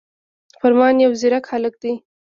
فرمان يو ځيرک هلک دی